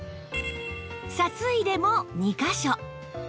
札入れも２カ所